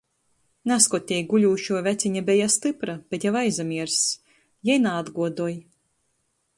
Nazkod tei guļūšuo vecine beja stypra, bet jau aizamierss. Jei naatguodoj.